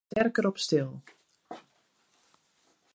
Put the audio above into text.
Fersterker op stil.